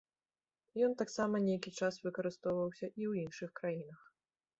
Ён таксама нейкі час выкарыстоўваўся і ў іншых краінах.